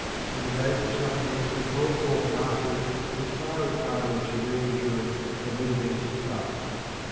In the days of suffering it brought forth martyrs whose fiery ardour and serene endurance have never been surpassed.